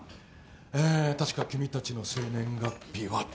えたしか君たちの生年月日はと。